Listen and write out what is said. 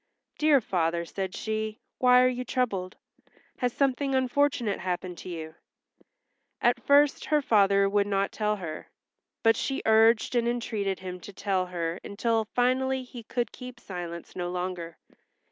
"Dear father," said she, "why are you troubled? Has something unfortunate happened to you?" At first her father would not tell her, but she urged and entreated him to tell her until finally he could keep silence no longer.